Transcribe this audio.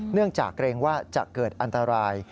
เนื่องจากเกรงว่าจะเกิดอันตราย